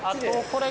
これ。